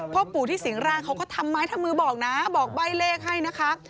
พ่อปู่ที่สิงร่างเขาก็ทำไม้ทำมือบอกนะบอกใบ้เลขให้นะคะ